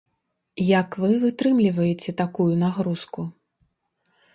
Як вы вытрымліваеце такую нагрузку?